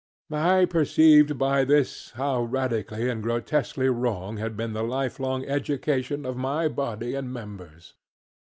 I perceived by this how radically and grotesquely wrong had been the life long education of my body and members.